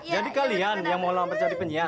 jadi kalian yang mau melamar jadi penyiar